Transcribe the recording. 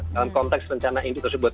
dalam konteks rencana inti tersebut